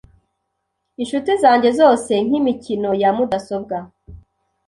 Inshuti zanjye zose nkimikino ya mudasobwa .